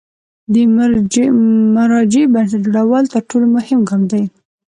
د مرجع بنسټ جوړول تر ټولو مهم ګام دی.